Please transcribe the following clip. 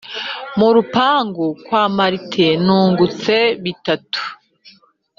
Mu rupangu kwa Marite Nungutse bitatu